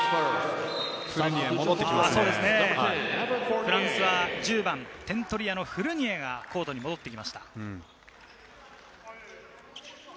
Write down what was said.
フランスは点取り屋のフルニエが戻ってきました。